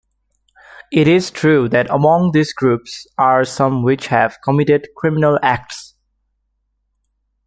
It is true that among these groups are some which have committed criminal acts.